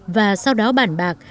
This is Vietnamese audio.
và sau đó bàn bạc